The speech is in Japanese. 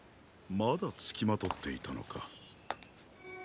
まだつきまとっていたのか。